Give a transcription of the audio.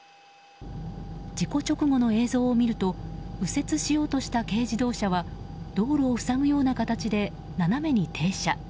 事故直後の映像を見ると右折しようとした軽自動車は道路を塞ぐような形で斜めに停車。